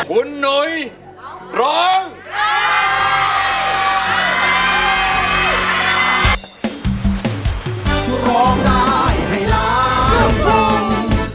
คุณหนุ่ยร้องร้องร้อง